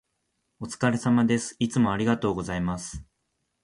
お疲れ様です。いつもありがとうございます。